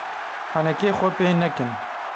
Henekê xwe pê nekin!